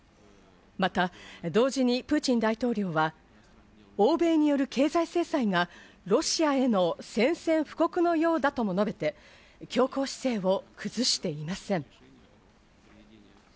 また、同時にプーチン大統領は、欧米による経済制裁がロシアへの宣戦布告のようだとも述べて強硬姿勢を崩していません。